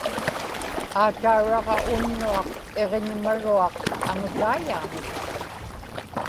aatauraġa unnuaq iġñimaruaq aŋutaiyaamik